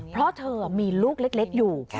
เพราะเธอมีลูกเล็กอยู่